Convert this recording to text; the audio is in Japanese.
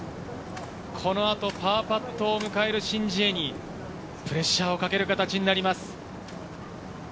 この後、パーパットを迎えるシン・ジエにプレッシャーをかける形になります。